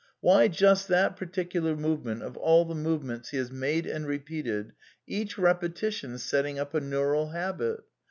Why just that particular movement of all the movements he has made and repeated, each repe tition setting up a neural habit?